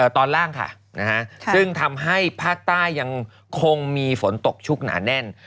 ตอนล่างค่ะซึ่งทำให้ภาคใต้ยังคงมีฝนตกชุกหนาแน่น